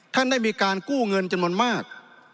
ท่านได้มีการกู้เงินจำนวนมาก